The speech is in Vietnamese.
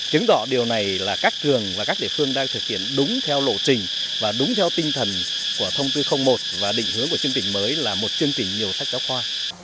chứng tỏ điều này là các trường và các địa phương đang thực hiện đúng theo lộ trình và đúng theo tinh thần của thông tư một và định hướng của chương trình mới là một chương trình nhiều sách giáo khoa